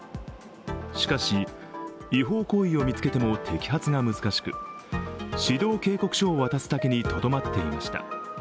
しかし違法行為を見つけても、摘発は難しく指導警告書を渡すだけにとどまっていました。